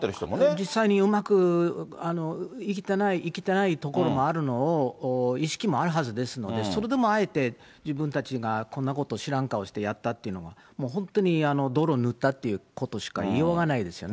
実際にうまくいけてないところもあるのを、意識もあるはずですので、それでもあえて、自分たちがこんなことを知らん顔してやったっていうのは、本当に泥塗ったってことしか言いようがないですよね。